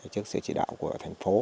trước sự chỉ đạo của thành phố